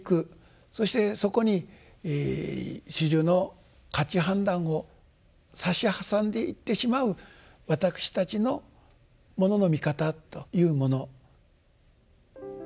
そしてそこに種々の価値判断を差し挟んでいってしまう私たちのものの見方というもの。